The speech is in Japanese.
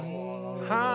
はあ。